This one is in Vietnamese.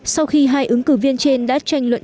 sau khi hai ứng cử viên trên đã tranh luận